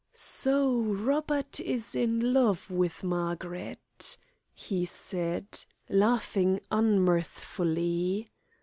"So Robert is in love with Margaret," he said, laughing unmirthfully.